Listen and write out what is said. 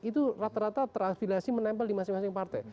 itu rata rata teraspilasi menempel di masing masing partai